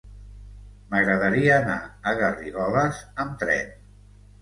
M'agradaria anar a Garrigoles amb tren.